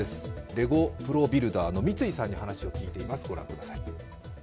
レゴプロビルダーの三井さんに話を聞いています。